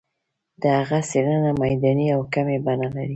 د هغه څېړنه میداني او کمي بڼه لري.